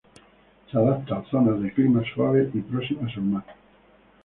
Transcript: Se adapta a zonas de climas suaves y próximas al mar.